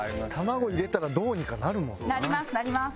なりますなります。